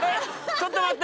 ちょっと待って！